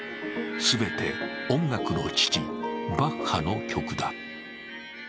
全て音楽の父・バッハの曲だ。